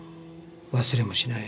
忘れもしない。